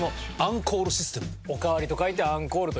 「おかわり」と書いて「アンコール」と読む。